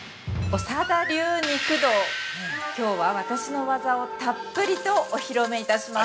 ◆きょうは、私の技をたっぷりとお披露目いたします。